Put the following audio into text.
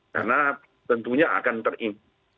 karena tentunya akan terimplikasi